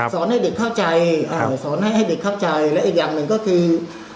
ให้เด็กเข้าใจสอนให้ให้เด็กเข้าใจและอีกอย่างหนึ่งก็คือ